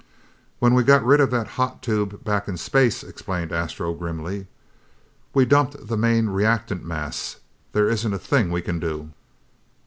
"When we got rid of that hot tube back in space," explained Astro grimly, "we dumped the main reactant mass. There isn't a thing we can do!"